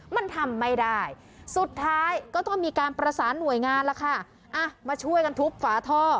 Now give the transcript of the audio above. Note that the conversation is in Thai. มันทำไม่ได้สุดท้ายก็ต้องมีการประสานหน่วยงานแล้วค่ะอ่ะมาช่วยกันทุบฝาท่อ